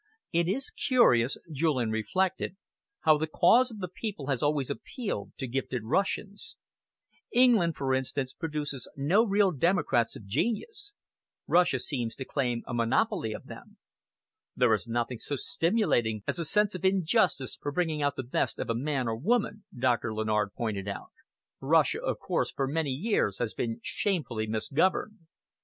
"It is curious," Julian reflected, "how the cause of the people has always appealed to gifted Russians. England, for instance, produces no real democrats of genius. Russia seems to claim a monopoly of them." "There is nothing so stimulating as a sense of injustice for bringing the best out of a man or woman," Doctor Lennard pointed out. "Russia, of course, for many years has been shamefully misgoverned."